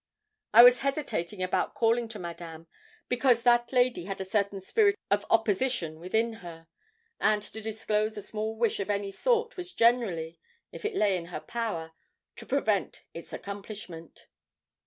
I was hesitating about calling to Madame, because that lady had a certain spirit of opposition within her, and to disclose a small wish of any sort was generally, if it lay in her power, to prevent its accomplishment.